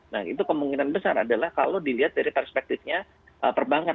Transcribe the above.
nah itu kemungkinan besar adalah kalau dilihat dari perspektifnya perbankan